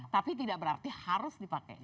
tapi tidak berarti harus dipakai